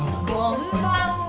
こんばんは。